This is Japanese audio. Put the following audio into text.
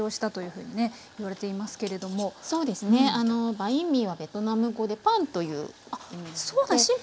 バインミーはベトナム語でパンという意味ですので。